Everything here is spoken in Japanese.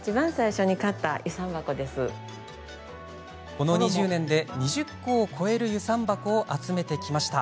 この２０年で、２０個を超える遊山箱を集めてきました。